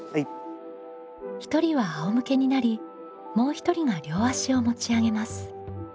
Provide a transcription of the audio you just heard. １人は仰向けになりもう一人が両足を持ち上げます。